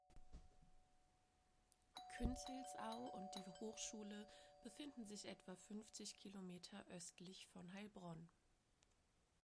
Künzelsau und die Hochschule befinden sich etwa fünfzig Kilometer östlich von Heilbronn.